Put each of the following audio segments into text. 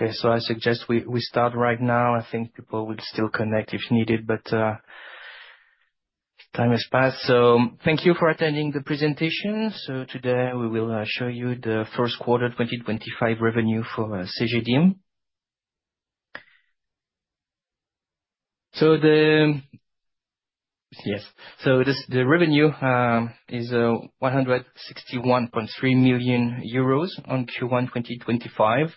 Okay, I suggest we start right now. I think people will still connect if needed, but time has passed. Thank you for attending the presentation. Today we will show you the first quarter 2025 revenue for Cegedim. Yes, the revenue is 161.3 million euros on Q1 2025.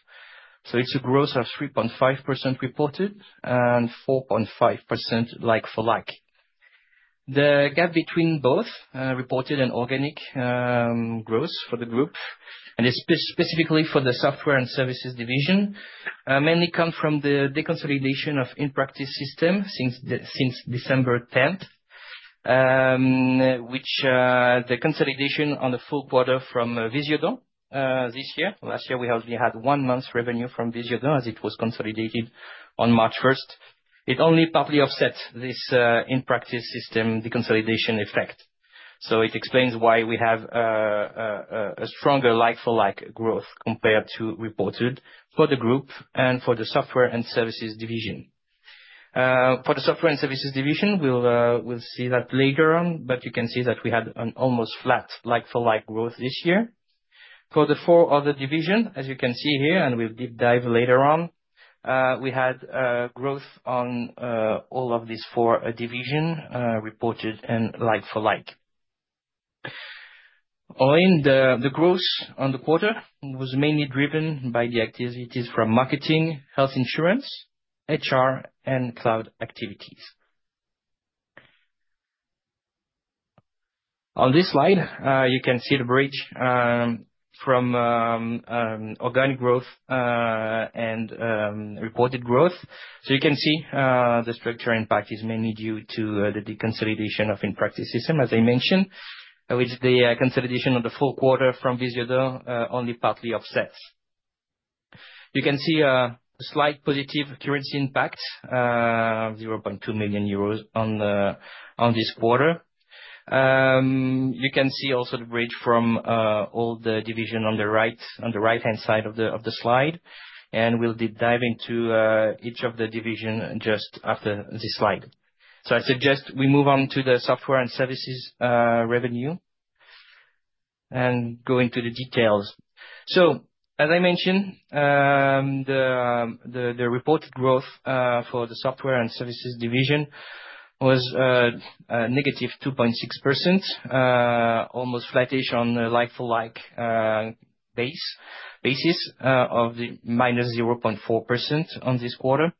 It is a growth of 3.5% reported and 4.5% like-for-like. The gap between both reported and organic growth for the group, and specifically for the software and services division, mainly comes from the deconsolidation of In Practice Systems since December 10, which the consolidation on the full quarter from Visiodent this year. Last year we only had one month's revenue from Visiodent as it was consolidated on March 1st. It only partly offsets this In Practice Systems deconsolidation effect. It explains why we have a stronger like-for-like growth compared to reported for the group and for the software and services division. For the software and services division, we'll see that later on, but you can see that we had an almost flat like-for-like growth this year. For the four other divisions, as you can see here, and we'll deep dive later on, we had growth on all of these four divisions reported and like-for-like. The growth on the quarter was mainly driven by the activities from marketing, health insurance, HR, and cloud activities. On this slide, you can see the bridge from organic growth and reported growth. You can see the structure impact is mainly due to the deconsolidation of In Practice Systems, as I mentioned, with the consolidation of the full quarter from Visiodent only partly offsets. You can see a slight positive currency impact, 0.2 million euros on this quarter. You can see also the bridge from all the divisions on the right-hand side of the slide, and we will deep dive into each of the divisions just after this slide. I suggest we move on to the software and services revenue and go into the details. As I mentioned, the reported growth for the software and services division was -2.6%, almost flat-ish on the like-for-like basis of the -0.4% on this quarter.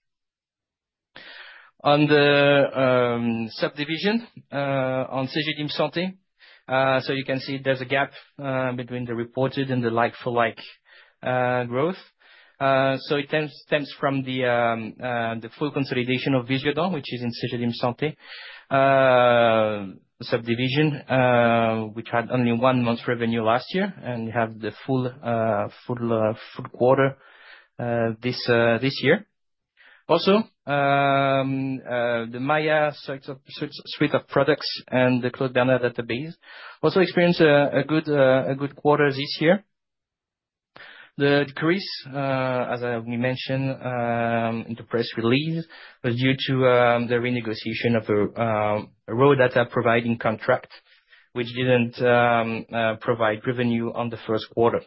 On the subdivision, on Cegedim Santé, you can see there is a gap between the reported and the like-for-like growth. It stems from the full consolidation of Visiodent, which is in Cegedim Santé subdivision, which had only one month's revenue last year, and you have the full quarter this year. Also, the Maiia suite of products and the Claude Bernard database also experienced a good quarter this year. The decrease, as we mentioned in the press release, was due to the renegotiation of a raw data providing contract, which did not provide revenue in the first quarter.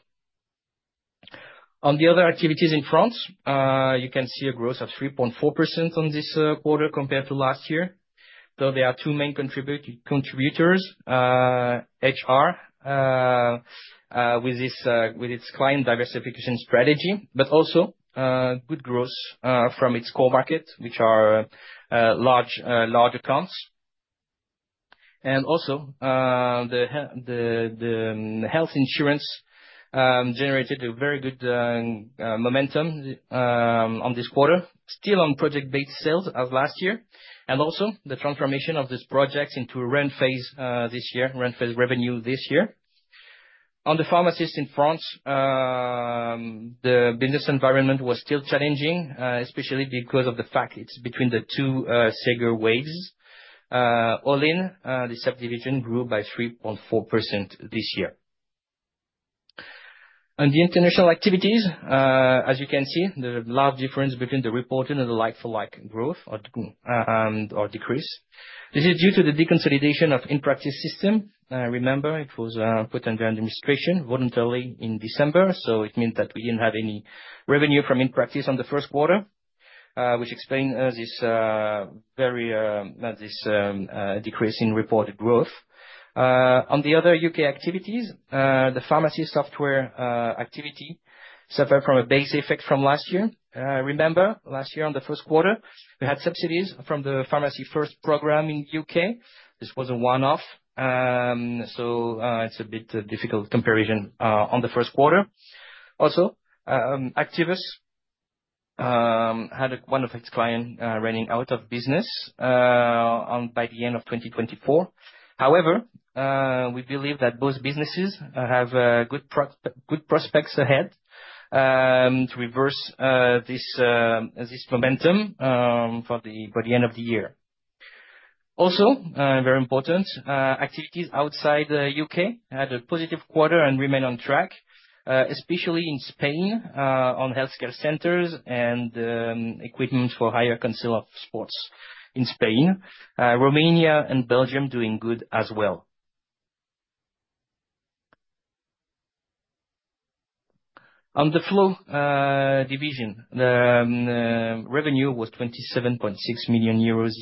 On the other activities in France, you can see a growth of 3.4% in this quarter compared to last year. There are two main contributors: HR, with its client diversification strategy, but also good growth from its core market, which are large accounts. Also, the health insurance generated a very good momentum in this quarter, still on project-based sales as last year, and also the transformation of these projects into a rent phase this year, rent phase revenue this year. On the pharmacists in France, the business environment was still challenging, especially because of the fact it is between the two Ségur waves. Allianz, the subdivision, grew by 3.4% this year. On the international activities, as you can see, there's a large difference between the reported and the like-for-like growth or decrease. This is due to the deconsolidation of In Practice Systems. Remember, it was put under administration voluntarily in December, so it meant that we didn't have any revenue from In Practice on the first quarter, which explains this decrease in reported growth. On the other U.K. activities, the pharmacy software activity suffered from a base effect from last year. Remember, last year on the first quarter, we had subsidies from the Pharmacy First program in the U.K. This was a one-off, so it's a bit difficult comparison on the first quarter. Also, Activus had one of its clients running out of business by the end of 2024. However, we believe that both businesses have good prospects ahead to reverse this momentum for the end of the year. Also, very important activities outside the U.K. had a positive quarter and remain on track, especially in Spain on healthcare centers and equipment for higher council of sports in Spain. Romania and Belgium doing good as well. On the flow division, the revenue was 27.6 million euros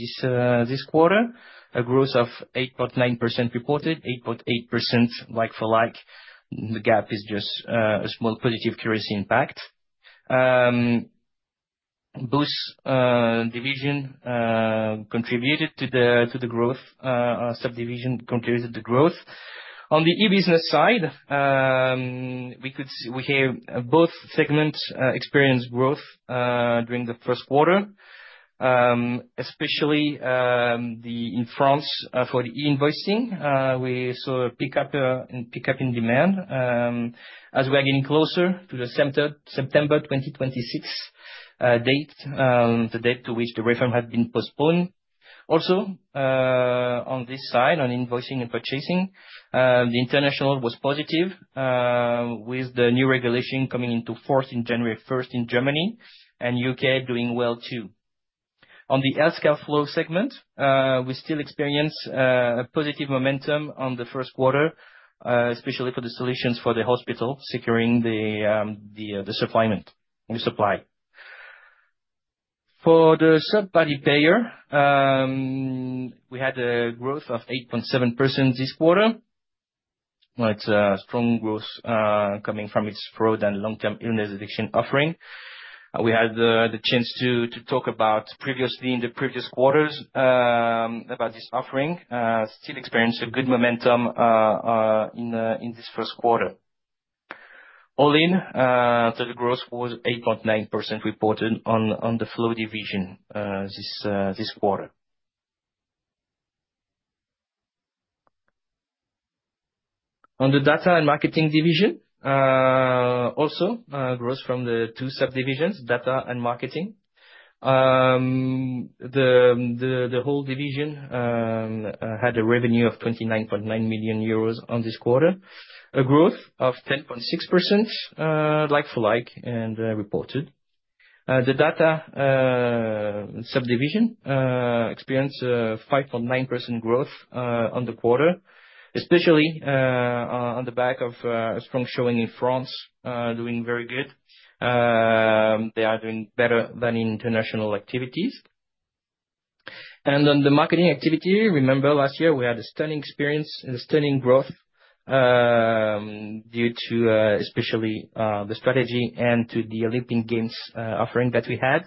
this quarter, a growth of 8.9% reported, 8.8% like-for-like. The gap is just a small positive currency impact. BPO division contributed to the growth; subdivision contributed to the growth. On the e-business side, we have both segments experience growth during the first quarter, especially in France for the e-invoicing. We saw a pickup in demand as we are getting closer to the September 2026 date, the date to which the reform had been postponed. Also, on this side, on invoicing and purchasing, the international was positive with the new regulation coming into force on January 1st in Germany and U.K. doing well too. On the healthcare flow segment, we still experience a positive momentum in the first quarter, especially for the solutions for the hospital securing the supply. For the third-party payer, we had a growth of 8.7% this quarter. It's a strong growth coming from its fraud and long-term illness eviction offering. We had the chance to talk about previously in the previous quarters about this offering, still experiencing a good momentum in this first quarter. Allianz, the growth was 8.9% reported on the flow division this quarter. On the data and marketing division, also growth from the two subdivisions, data and marketing. The whole division had a revenue of 29.9 million euros in this quarter, a growth of 10.6% like-for-like and reported. The data subdivision experienced 5.9% growth on the quarter, especially on the back of a strong showing in France, doing very good. They are doing better than international activities. On the marketing activity, remember last year we had a stunning experience and a stunning growth due to especially the strategy and to the Olympic Games offering that we had.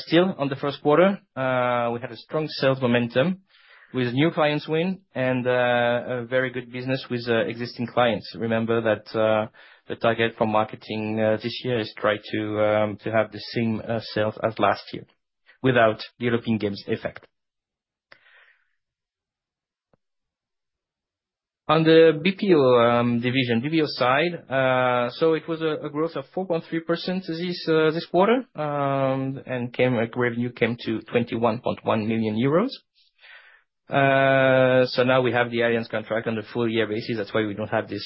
Still, on the first quarter, we had a strong sales momentum with new clients win and a very good business with existing clients. Remember that the target for marketing this year is to try to have the same sales as last year without the Olympic Games effect. On the BPO division, BPO side, it was a growth of 4.3% this quarter and revenue came to 21.1 million euros. Now we have the Allianz contract on the full year basis. That's why we don't have this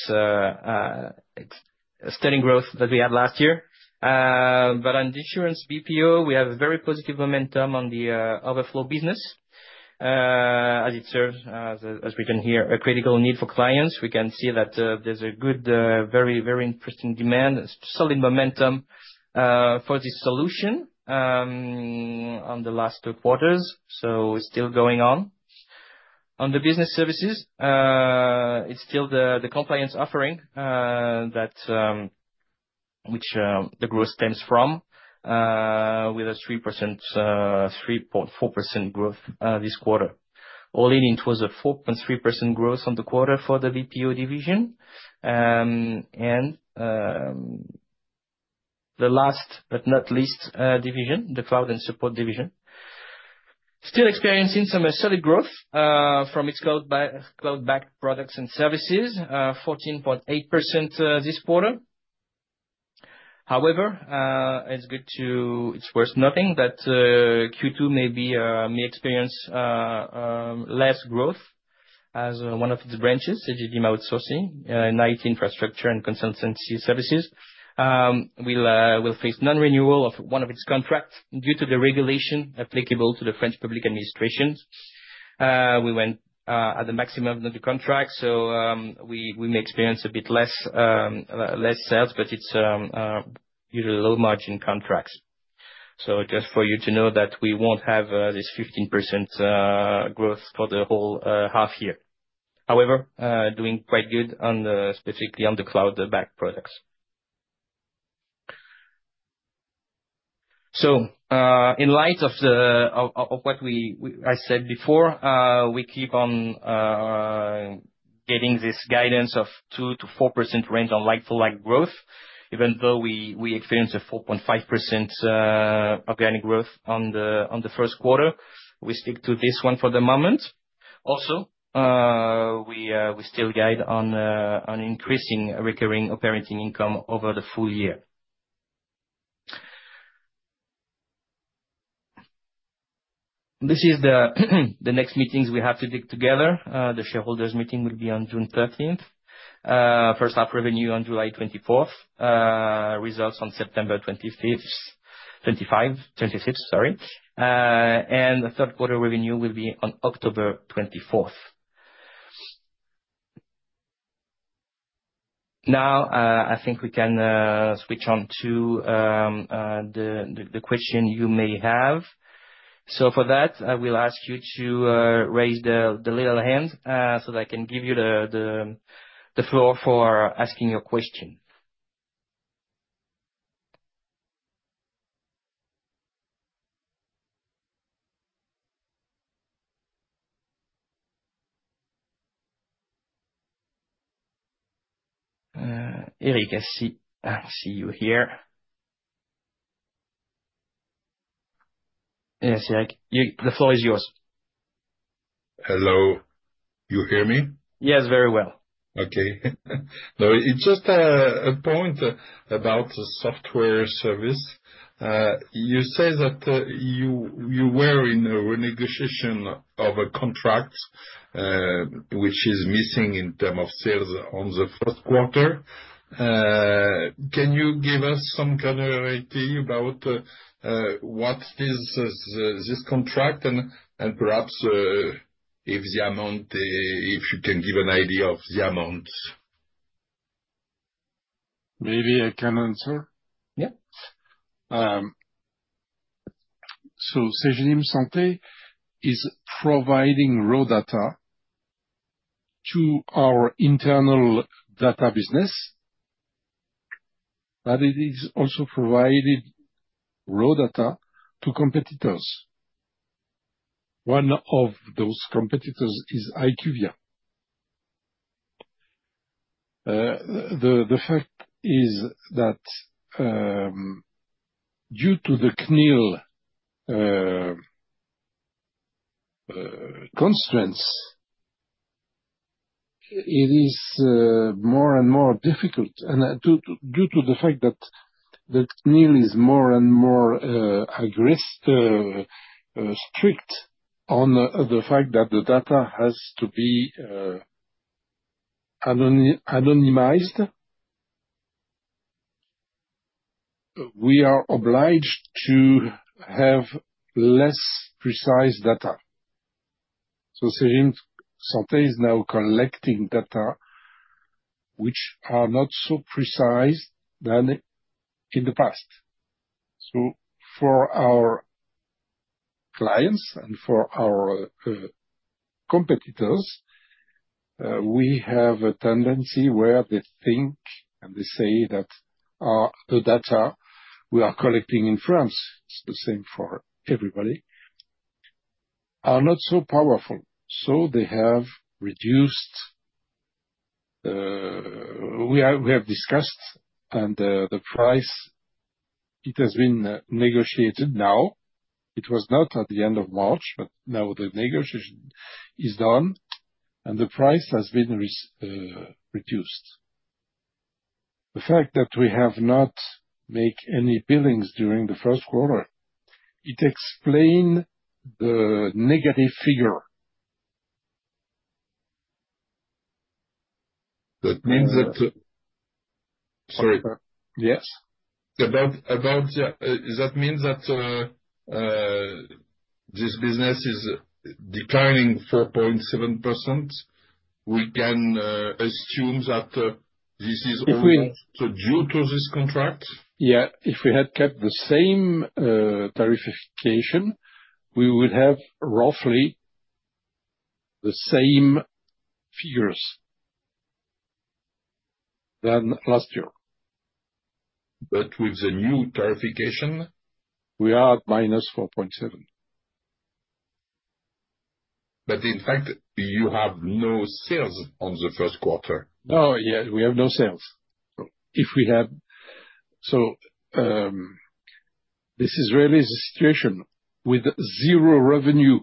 stunning growth that we had last year. On the insurance BPO, we have a very positive momentum on the overflow business as it serves, as written here, a critical need for clients. We can see that there's a good, very, very interesting demand, solid momentum for this solution on the last two quarters, so it's still going on. On the business services, it's still the compliance offering which the growth stems from with a 3.4% growth this quarter. Overall, it was a 4.3% growth on the quarter for the BPO division. The last but not least division, the cloud and support division, is still experiencing some solid growth from its cloud-backed products and services, 14.8% this quarter. However, it's good to it's worth noting that Q2 may experience less growth as one of its branches, Cegedim Outsourcing, NIT Infrastructure and Consultancy Services, will face non-renewal of one of its contracts due to the regulation applicable to the French public administration. We went at the maximum of the contract, so we may experience a bit less sales, but it's usually low-margin contracts. Just for you to know that we won't have this 15% growth for the whole half year. However, doing quite good specifically on the cloud-backed products. In light of what I said before, we keep on getting this guidance of 2%-4% range on like-for-like growth, even though we experienced a 4.5% organic growth on the first quarter. We stick to this one for the moment. Also, we still guide on increasing recurring operating income over the full year. This is the next meetings we have to dig together. The shareholders' meeting will be on June 13th, first half revenue on July 24th, results on September 25th, 26th, sorry. The third quarter revenue will be on October 24th. Now, I think we can switch on to the question you may have. For that, I will ask you to raise the little hand so that I can give you the floor for asking your question. Eric, I see you here. Yes, Eric, the floor is yours. Hello. You hear me? Yes, very well. Okay. No, it's just a point about software service. You said that you were in a renegotiation of a contract which is missing in terms of sales on the first quarter. Can you give us some clarity about what is this contract and perhaps if you can give an idea of the amount? Maybe I can answer. Yeah. Cegedim Santé is providing raw data to our internal data business, but it is also providing raw data to competitors. One of those competitors is IQVIA. The fact is that due to the CNIL constraints, it is more and more difficult due to the fact that the CNIL is more and more strict on the fact that the data has to be anonymized. We are obliged to have less precise data. Cegedim Santé is now collecting data which are not so precise than in the past. For our clients and for our competitors, we have a tendency where they think and they say that the data we are collecting in France, it's the same for everybody, are not so powerful. They have reduced. We have discussed and the price, it has been negotiated now. It was not at the end of March, but now the negotiation is done and the price has been reduced. The fact that we have not made any billings during the first quarter explains the negative figure. That means that? Sorry. Yes? That means that this business is declining 4.7%. We can assume that this is also due to this contract? Yeah. If we had kept the same tariffification, we would have roughly the same figures than last year. With the new tariffification, we are at -4.7%. In fact, you have no sales on the first quarter. Oh, yeah. We have no sales. If we have. This is really the situation with zero revenue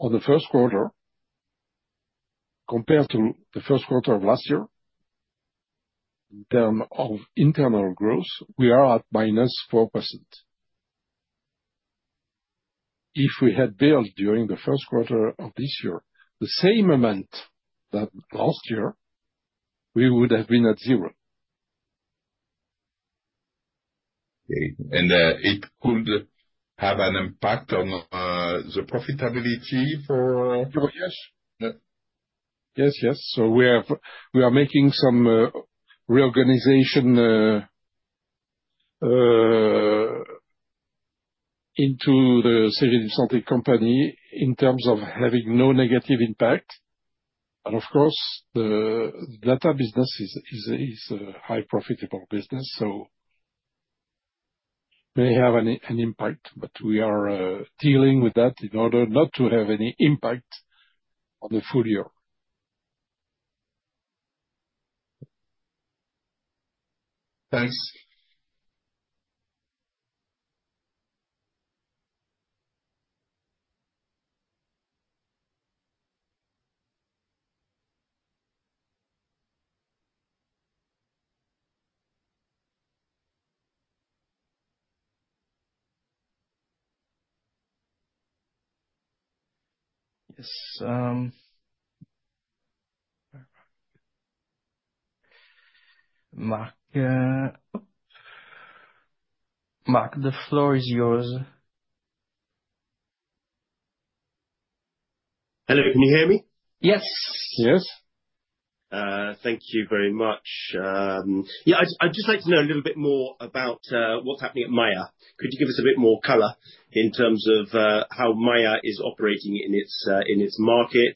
on the first quarter compared to the first quarter of last year. In terms of internal growth, we are at -4%. If we had billed during the first quarter of this year the same amount that last year, we would have been at zero. Okay. It could have an impact on the profitability for? Yes. Yes, yes. We are making some reorganization into the Cegedim Santé company in terms of having no negative impact. Of course, the data business is a high-profitable business, so we may have an impact, but we are dealing with that in order not to have any impact on the full year. Thanks. Yes. Marc. The floor is yours. Hello. Can you hear me? Yes. Yes. Thank you very much. Yeah. I'd just like to know a little bit more about what's happening at Maiia. Could you give us a bit more color in terms of how Maiia is operating in its market?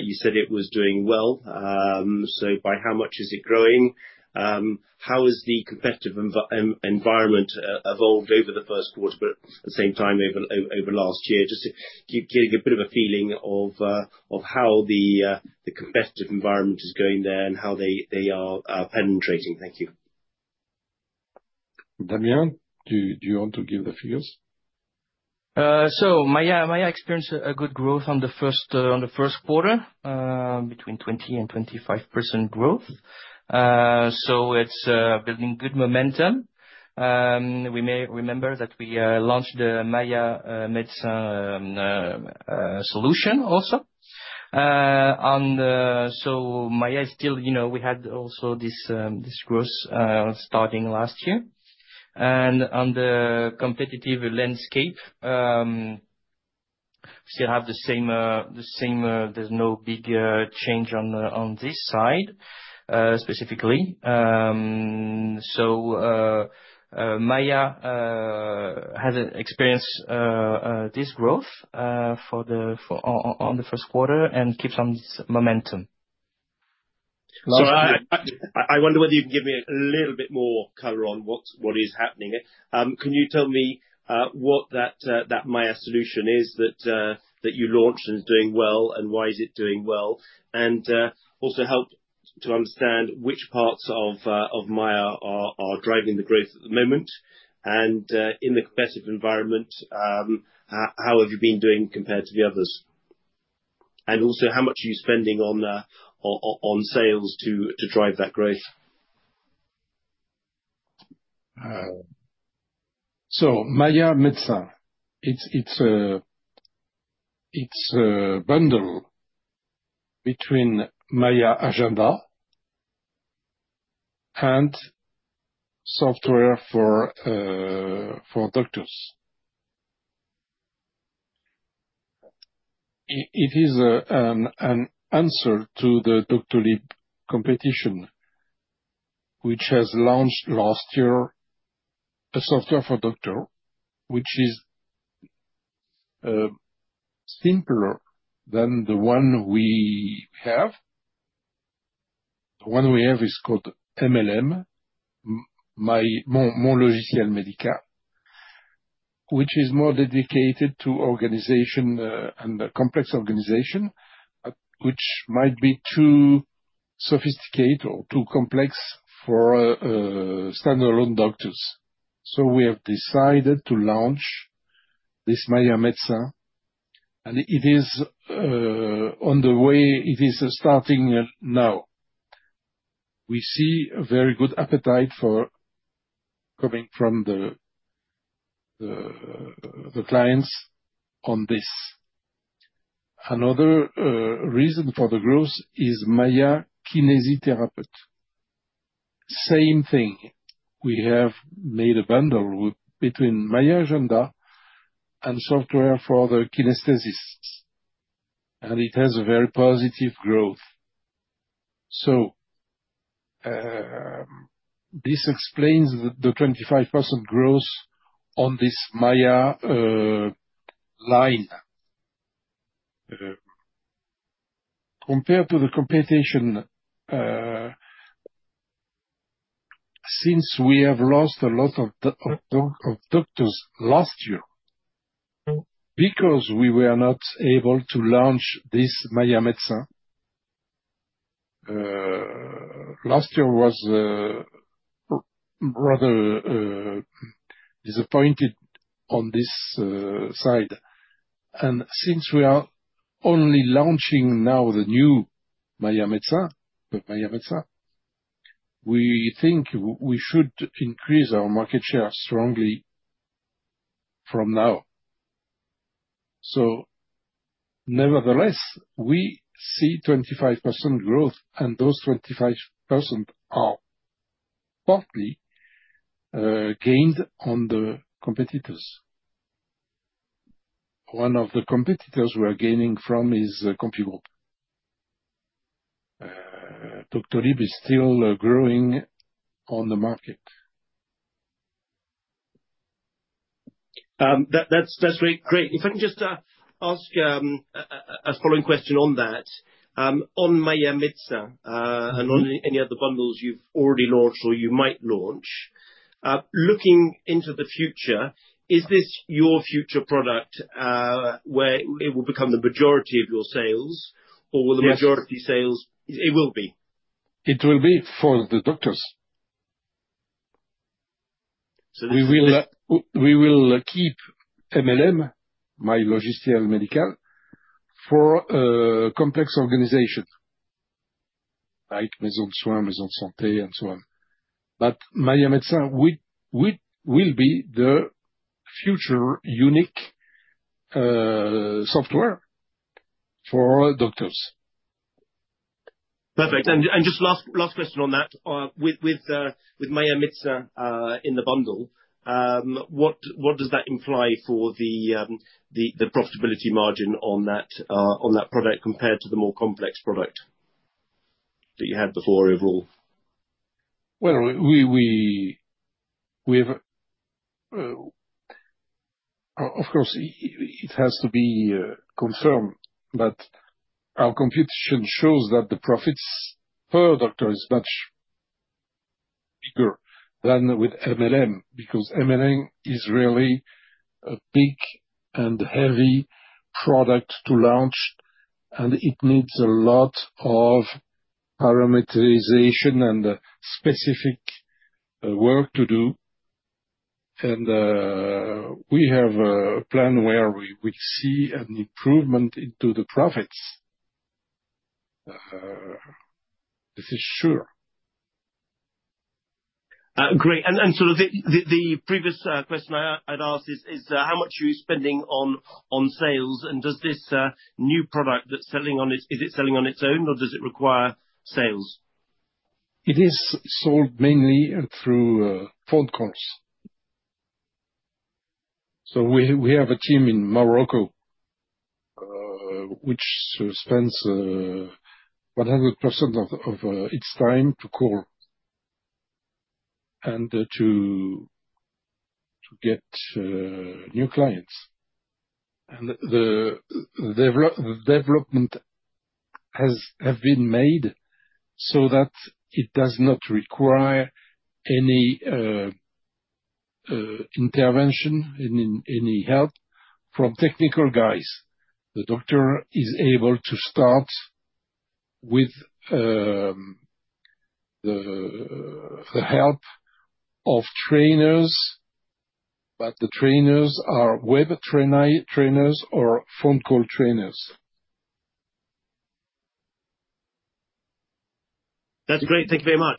You said it was doing well. By how much is it growing? How has the competitive environment evolved over the first quarter, but at the same time over last year? Just to give you a bit of a feeling of how the competitive environment is going there and how they are penetrating. Thank you. Damien, do you want to give the figures? Maiia experienced good growth in the first quarter, between 20%-25% growth. It is building good momentum. We may remember that we launched the Maiia Medicine solution also. Maiia is still, we had also this growth starting last year. On the competitive landscape, we still have the same, there is no big change on this side specifically. Maiia has experienced this growth in the first quarter and keeps on its momentum. I wonder whether you can give me a little bit more color on what is happening. Can you tell me what that Maiia solution is that you launched and is doing well and why is it doing well? Also help to understand which parts of Maiia are driving the growth at the moment. In the competitive environment, how have you been doing compared to the others? Also how much are you spending on sales to drive that growth? Maiia Medicine, it's a bundle between Maiia Agenda and software for doctors. It is an answer to the Doctolib competition, which has launched last year a software for doctor, which is simpler than the one we have. The one we have is called MLM, Mon Logiciel Médical, which is more dedicated to organization and complex organization, which might be too sophisticated or too complex for standalone doctors. We have decided to launch this Maiia Medicine. It is on the way, it is starting now. We see a very good appetite coming from the clients on this. Another reason for the growth is Maiia kinesiotherapist. Same thing. We have made a bundle between Maiia agenda and software for the kinesiotherapists. It has a very positive growth. This explains the 25% growth on this Maiia line. Compared to the competition, since we have lost a lot of doctors last year because we were not able to launch this Maiia Medicine, last year was rather disappointing on this side. Since we are only launching now the new Maiia Medicine, we think we should increase our market share strongly from now. Nevertheless, we see 25% growth, and those 25% are partly gained on the competitors. One of the competitors we are gaining from is CompuGroup. Doctolib is still growing on the market. That's great. If I can just ask a following question on that. On Maiia Medicine and on any other bundles you've already launched or you might launch, looking into the future, is this your future product where it will become the majority of your sales or the majority sales? It will be. It will be for the doctors. We will keep MLM, Mon Logiciel Médical, for complex organizations like Maison Soin, Maison Santé, and so on. Maiia Medicine will be the future unique software for doctors. Perfect. Just last question on that. With Maiia Medicine in the bundle, what does that imply for the profitability margin on that product compared to the more complex product that you had before overall? Of course, it has to be confirmed, but our computation shows that the profits per doctor is much bigger than with MLM because MLM is really a big and heavy product to launch, and it needs a lot of parameterization and specific work to do. We have a plan where we will see an improvement into the profits. This is sure. Great. Sort of the previous question I had asked is how much are you spending on sales? Does this new product that's selling on it, is it selling on its own or does it require sales? It is sold mainly through phone calls. We have a team in Morocco which spends 100% of its time to call and to get new clients. The development has been made so that it does not require any intervention, any help from technical guys. The doctor is able to start with the help of trainers, but the trainers are web trainers or phone call trainers. That's great. Thank you very much.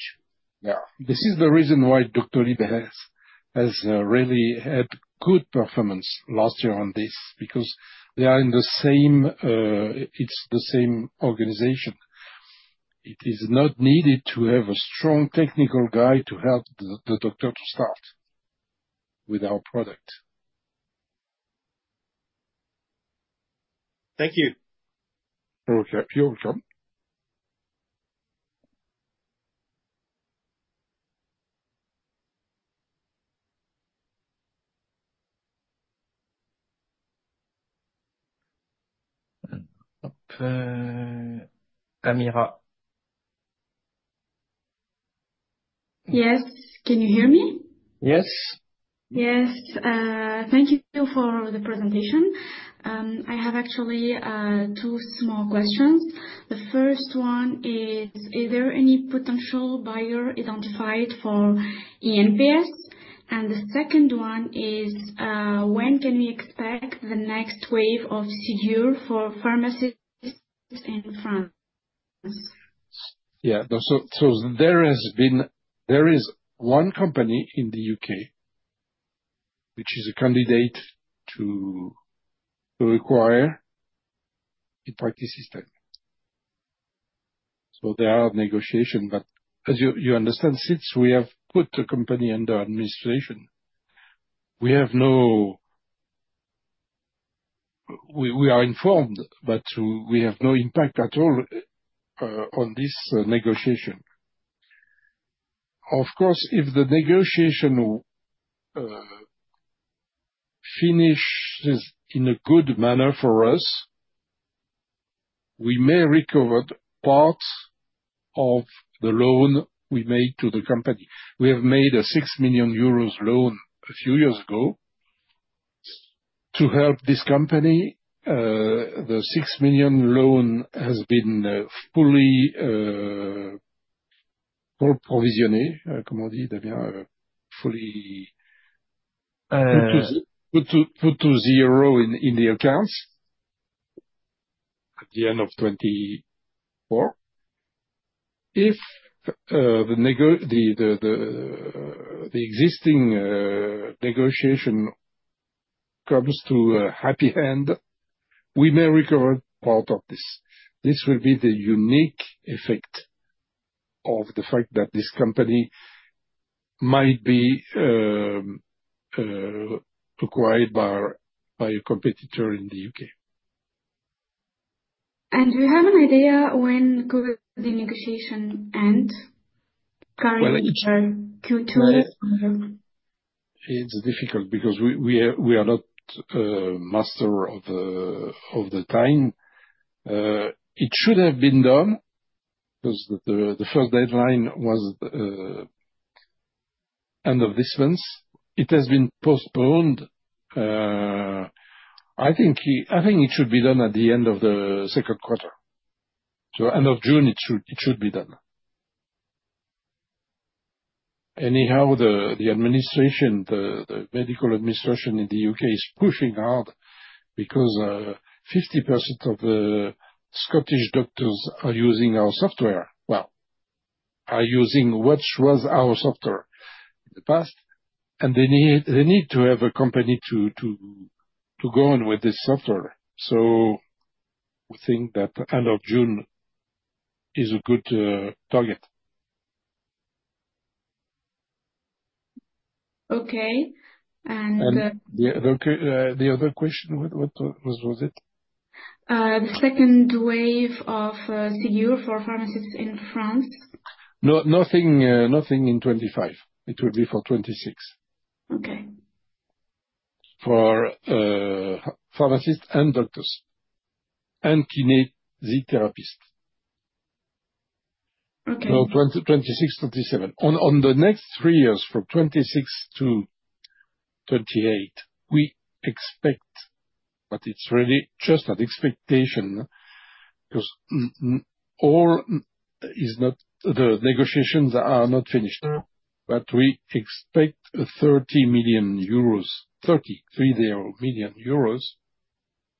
This is the reason why Doctolib has really had good performance last year on this because they are in the same organization. It is not needed to have a strong technical guy to help the doctor to start with our product. Thank you. You're welcome. [Mira]. Yes. Can you hear me? Yes. Yes. Thank you for the presentation. I have actually two small questions. The first one is, is there any potential buyer identified for INPS? And the second one is, when can we expect the next wave of Ségur for pharmacists in France? Yeah. There is one company in the U.K. which is a candidate to require In Practice Systems. There are negotiations, but as you understand, since we have put the company under administration, we are informed, but we have no impact at all on this negotiation. Of course, if the negotiation finishes in a good manner for us, we may recover part of the loan we made to the company. We have made a 6 million euros loan a few years ago to help this company. The 6 million loan has been fully provisioned, fully put to zero in the accounts at the end of 2024. If the existing negotiation comes to a happy end, we may recover part of this. This will be the unique effect of the fact that this company might be acquired by a competitor in the U.K. Do you have an idea when could the negotiation end? Currently, Q2. It's difficult because we are not masters of the time. It should have been done because the first deadline was the end of this month. It has been postponed. I think it should be done at the end of the second quarter. End of June, it should be done. Anyhow, the administration, the medical administration in the U.K. is pushing hard because 50% of the Scottish doctors are using our software. Are using what was our software in the past, and they need to have a company to go on with this software. We think that end of June is a good target. Okay. The other question, what was it? The second wave of Ségur for pharmacists in France. Nothing in 2025. It will be for 2026. Okay. For pharmacists and doctors and kinesiotherapists. 2026, 2027. On the next three years, from 2026 to 2028, we expect. It is really just an expectation because all is not, the negotiations are not finished, but we expect 30 million euros, 30, 30 million euros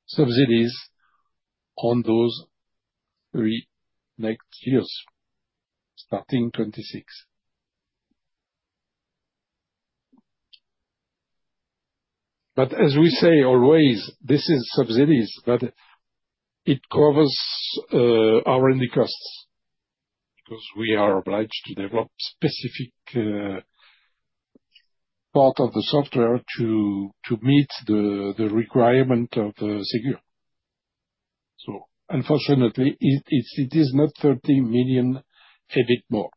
subsidies on those three next years starting 2026. As we say always, this is subsidies, but it covers R&D costs because we are obliged to develop specific part of the software to meet the requirement of Ségur. Unfortunately, it is not 30 million, a bit more.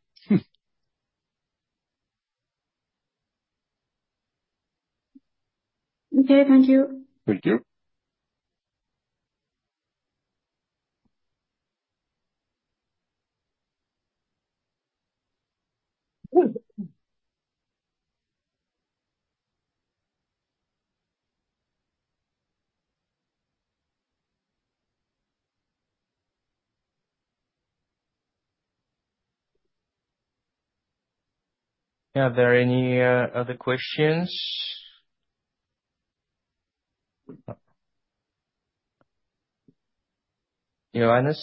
Okay. Thank you. Thank you. Are there any other questions? Johannes?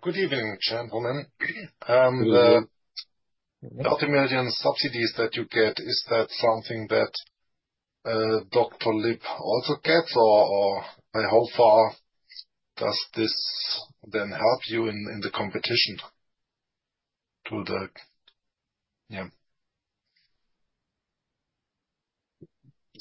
Good evening, gentlemen. Multimillion subsidies that you get, is that something that Doctolib also gets, or how far does this then help you in the competition to the, yeah?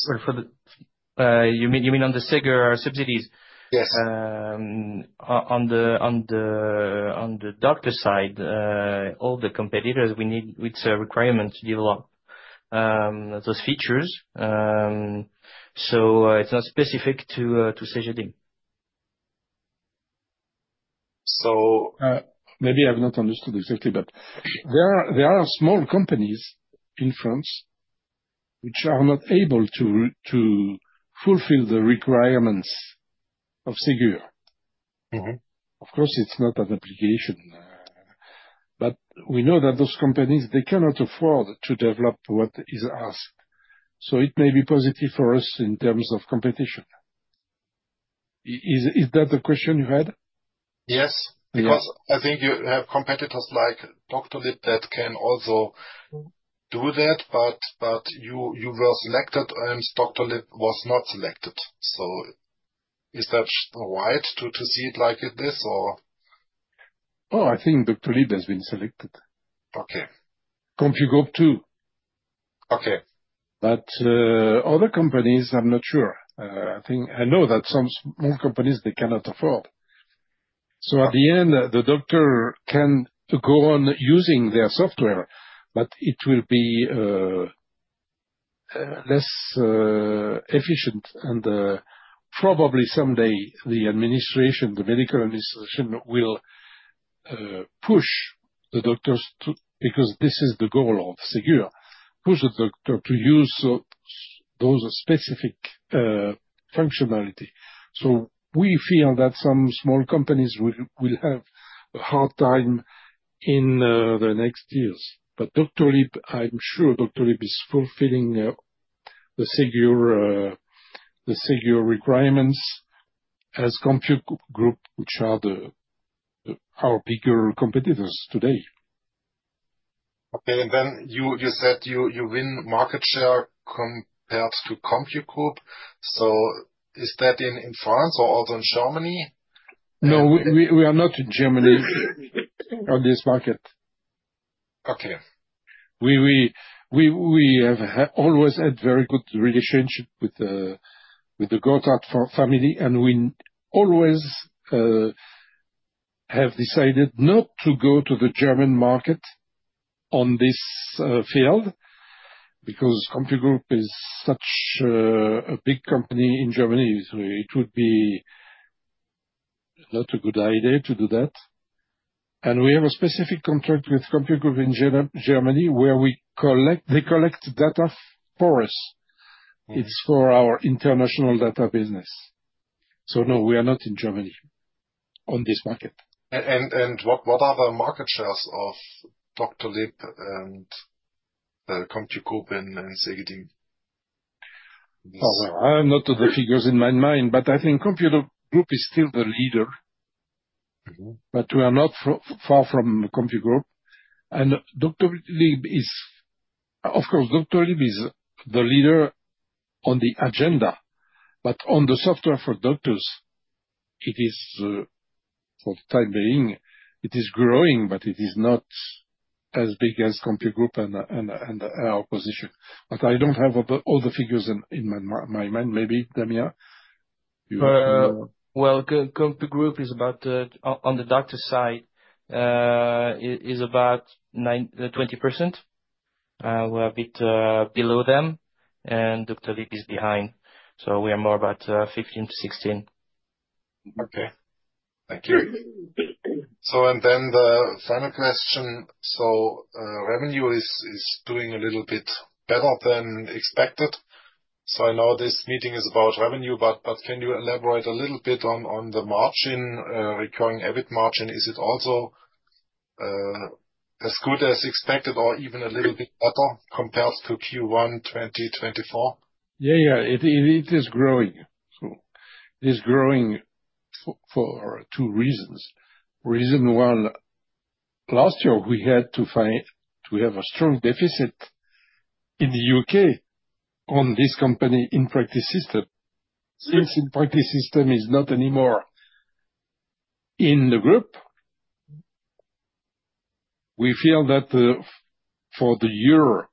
Sorry. You mean on the Ségur subsidies? Yes. On the doctor side, all the competitors, we need with the requirement to develop those features. It is not specific to Cegedim. Maybe I have not understood exactly, but there are small companies in France which are not able to fulfill the requirements of Ségur. Of course, it is not an application, but we know that those companies, they cannot afford to develop what is asked. It may be positive for us in terms of competition. Is that the question you had? Yes. I think you have competitors like Doctolib that can also do that, but you were selected and Doctolib was not selected. Is that right to see it like this or? I think Doctolib has been selected. CompuGroup too. Other companies, I am not sure. I know that some small companies, they cannot afford. At the end, the doctor can go on using their software, but it will be less efficient. Probably someday, the administration, the medical administration will push the doctors because this is the goal of Ségur, push the doctor to use those specific functionality. We feel that some small companies will have a hard time in the next years. Doctolib, I'm sure Doctolib is fulfilling the Ségur requirements as CompuGroup, which are our bigger competitors today. Okay. You said you win market share compared to CompuGroup. Is that in France or also in Germany? No, we are not in Germany on this market. We have always had a very good relationship with the Gothard family, and we always have decided not to go to the German market on this field because CompuGroup is such a big company in Germany. It would be not a good idea to do that. We have a specific contract with CompuGroup in Germany where they collect data for us. It is for our international data business. No, we are not in Germany on this market. What are the market shares of Doctolib and CompuGroup and Cegedim? I do not have the figures in my mind, but I think CompuGroup is still the leader, but we are not far from CompuGroup. Doctolib is, of course, the leader on the agenda, but on the software for doctors, for the time being, it is growing, but it is not as big as CompuGroup and our position. I do not have all the figures in my mind. Maybe, Damien, you? CompuGroup is about, on the doctor side, about 20%. We are a bit below them, and Doctolib is behind. We are more about 15%-16%. Okay. Thank you. And then the final question. Revenue is doing a little bit better than expected. I know this meeting is about revenue, but can you elaborate a little bit on the margin, recurring EBIT margin? Is it also as good as expected or even a little bit better compared to Q1 2024? Yeah, yeah. It is growing. It is growing for two reasons. Reason one, last year, we had to have a strong deficit in the U.K. on this company In Practice Systems. Since In Practice Systems is not anymore in the group, we feel that for the year,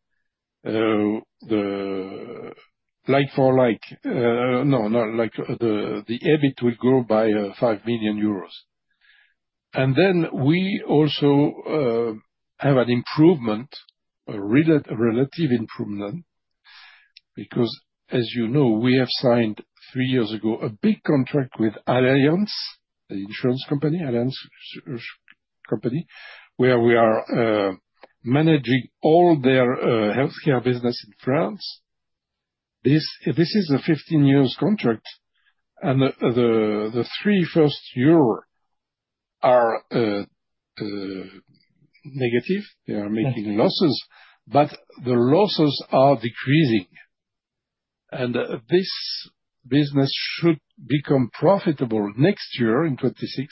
like for like, no, not like the EBIT will go by 5 million euros. We also have an improvement, a relative improvement, because as you know, we have signed three years ago a big contract with Allianz, the insurance company, where we are managing all their healthcare business in France. This is a 15-year contract, and the first three years are negative. They are making losses, but the losses are decreasing. This business should become profitable next year in 2026,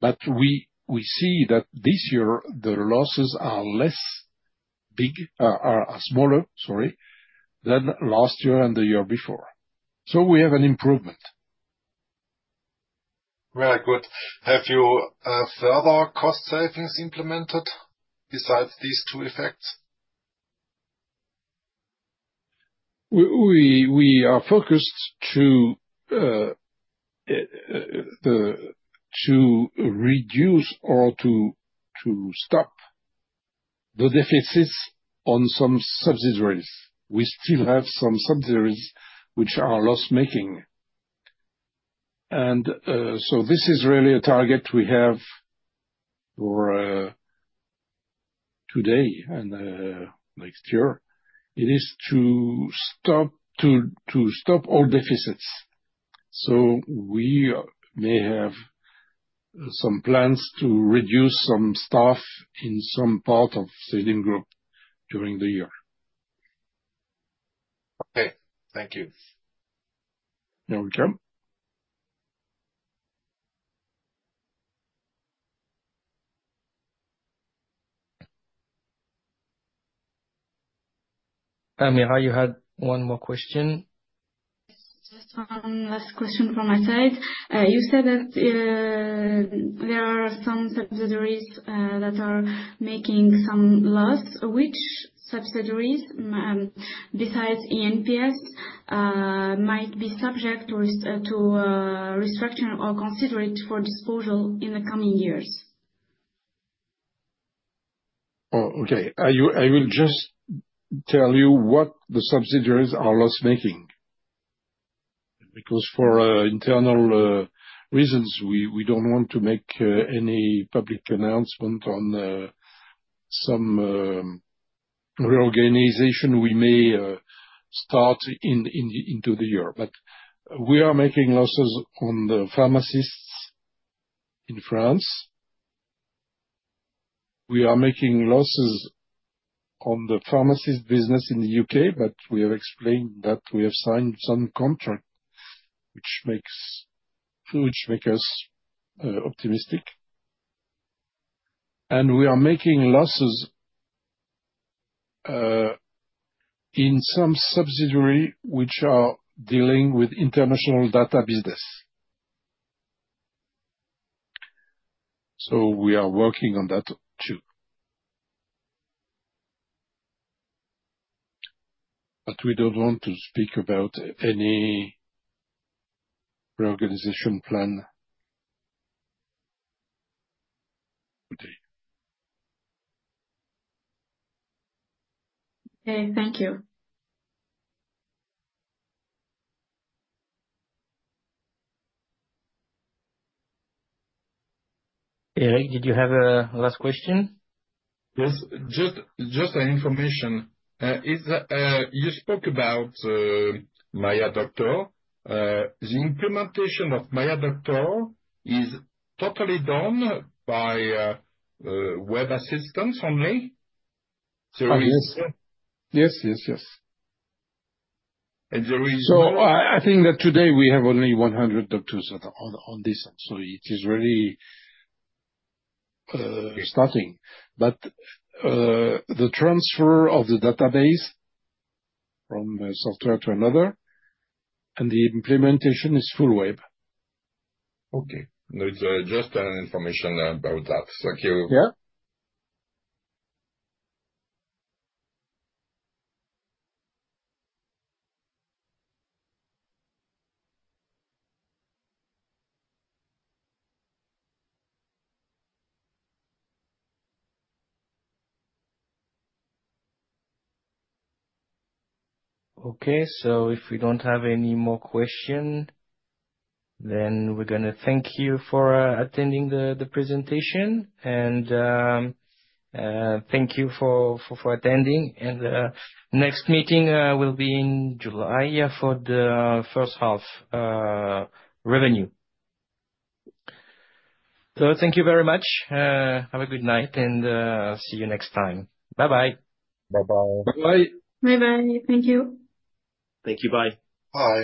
but we see that this year, the losses are less big, are smaller, sorry, than last year and the year before. We have an improvement. Very good. Have you further cost savings implemented besides these two effects? We are focused to reduce or to stop the deficits on some subsidiaries. We still have some subsidiaries which are loss-making. This is really a target we have for today and next year. It is to stop all deficits. We may have some plans to reduce some staff in some part of Cegedim Group during the year. Okay. Thank you. Here we go. You had one more question. Just one last question from my side. You said that there are some subsidiaries that are making some loss. Which subsidiaries, besides INPS, might be subject to restructuring or considered for disposal in the coming years? Okay. I will just tell you what the subsidiaries are loss-making. Because for internal reasons, we do not want to make any public announcement on some reorganization we may start into the year. We are making losses on the pharmacists in France. We are making losses on the pharmacist business in the U.K., but we have explained that we have signed some contract, which makes us optimistic. We are making losses in some subsidiaries which are dealing with international data business. We are working on that too. We do not want to speak about any reorganization plan today. Okay. Thank you. Eric, did you have a last question? Yes. Just an information. You spoke about Maiia Doctor. The implementation of Maiia Doctor is totally done by web assistants only. Yes, yes, yes. There is no— I think that today we have only 100 doctors on this. It is really starting. The transfer of the database from software to another, and the implementation is full web. Okay. Just an information about that. Thank you. Yeah. Okay. If we do not have any more questions, we are going to thank you for attending the presentation. Thank you for attending. The next meeting will be in July for the first half revenue. Thank you very much. Have a good night and see you next time. Bye-bye. Bye-bye. Bye-bye. Bye-bye. Thank you. Thank you. Bye. Bye.